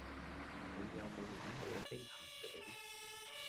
你有無玩過飛行棋